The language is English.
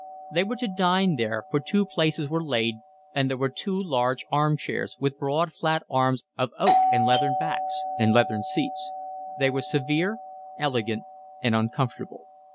They were to dine there, for two places were laid, and there were two large arm chairs, with broad flat arms of oak and leathern backs, and leathern seats. They were severe, elegant, and uncomfortable.